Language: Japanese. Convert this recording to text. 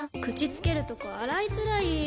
口つけるとこ洗いづらい！